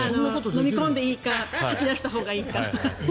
飲み込んでいいか吐き出したほうがいいか。